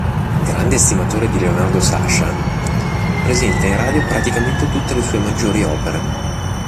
Grande estimatore di Leonardo Sciascia, presenta in radio praticamente tutte le sue maggiori opere.